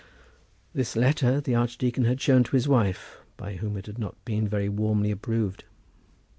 This letter the archdeacon had shown to his wife, by whom it had not been very warmly approved.